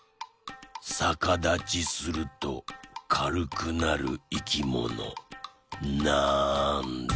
さかだちするとかるくなるいきものなんだ？